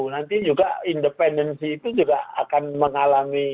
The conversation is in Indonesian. nanti juga independensi itu juga akan mengalami